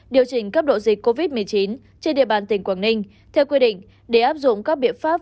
điều chỉnh cấp độ dịch covid một mươi chín trên địa bàn tỉnh quảng ninh theo quy định để áp dụng các biện pháp